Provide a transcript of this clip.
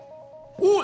おい！